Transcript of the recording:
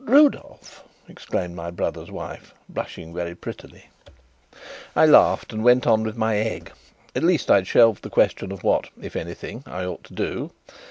"Rudolf!" exclaimed my brother's wife, blushing very prettily. I laughed, and went on with my egg. At least I had shelved the question of what (if anything) I ought to do.